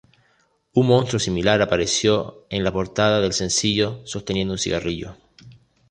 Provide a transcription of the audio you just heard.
Un monstruo similar apareció en la portada del sencillo sosteniendo un cigarrillo.